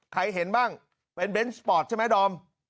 เห็นบ้างเป็นเบนส์สปอร์ตใช่ไหมดอม